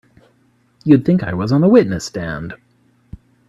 You'd think I was on the witness stand!